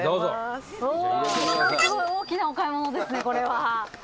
うおすごい大きなお買い物ですねこれは。